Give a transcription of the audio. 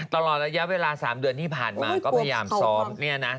ตลอดระยะเวลา๓เดือนที่ผ่านมาก็พยายามซ้อมเนี่ยนะ